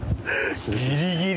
ギリギリ！